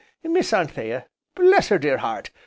Miss Anthea, bless her dear heart!